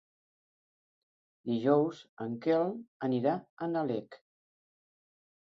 Dijous en Quel anirà a Nalec.